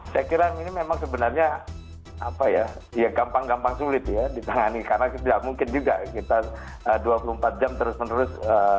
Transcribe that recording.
saya kira ini memang sebenarnya apa ya gampang gampang sulit ya ditangani karena tidak mungkin juga kita dua puluh empat jam terus menerus